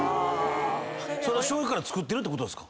それは醤油から作ってるってことですか